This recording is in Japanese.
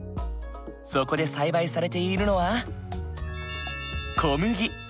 そこで栽培されているのは小麦。